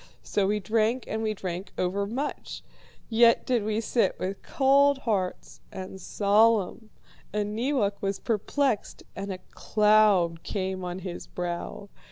So we drank, and we drank overmuch; yet did we sit with cold hearts and solemn. And Neewak was perplexed and a cloud came on his brow.